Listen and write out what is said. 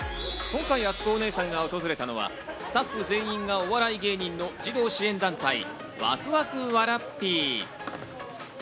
今回、あつこお姉さんが訪れたのは、スタッフ全員がお笑い芸人の児童支援団体わくわくわらっぴー。